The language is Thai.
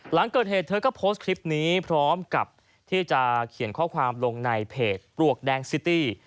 หลังเกิดเหตุเธอก็โพสต์คลิปนี้พร้อมกับที่จะเขียนข้อความลงในเพจปลวกแดงซิตี้